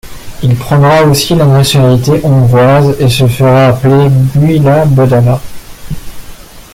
Il prendra aussi la nationalité hongroise et se fera appeler Gyula Bodola.